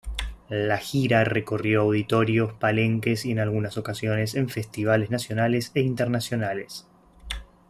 La gira recorrió auditorios, palenques y en algunas ocasiones en festivales nacionales e internacionales.